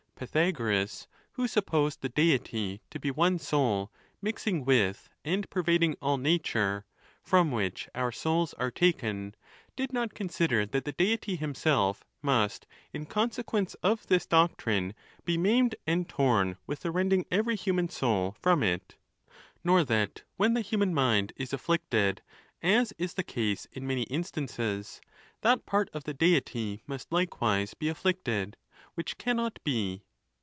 Pythagoras, who supposed the Deity to be one soul, mixing with and pervading all nature, from which our souls are taken, did not consider that the Deity himself must, in consequence of this doctrine, be maimed and torn with the rending every human soul from it; nor that, when the human mind is afflicted (as is the case in many instances), that part of the Deity must likewise be afflicted, 220 THE NATURE OF THE GODS. which cannot be.